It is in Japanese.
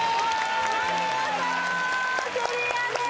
お見事クリアです